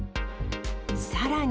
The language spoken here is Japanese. さらに。